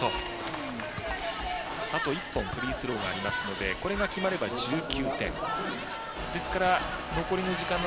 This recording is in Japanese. あと一本フリースローがありますのでこれが決まれば１９点。